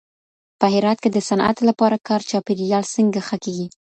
په هرات کي د صنعت لپاره کار چاپیریال څنګه ښه کېږي؟